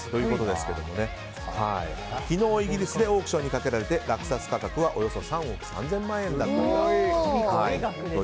昨日、イギリスでオークションにかけられて落札価格はおよそ３億３０００万円だったと。